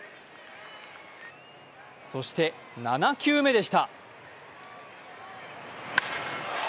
そして７球目でした。